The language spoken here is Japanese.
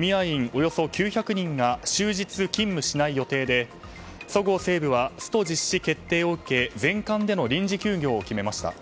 およそ９００人が終日勤務しない予定でそごう・西武はスト実施決定を受け全館での臨時休業を決めました。